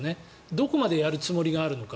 どこまでやるつもりがあるのか。